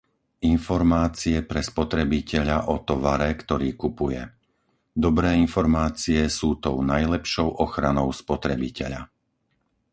informácie pre spotrebiteľa o tovare, ktorý kupuje; dobré informácie sú tou najlepšou ochranou spotrebiteľa,